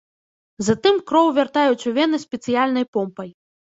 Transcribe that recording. Затым кроў вяртаюць у вены спецыяльнай помпай.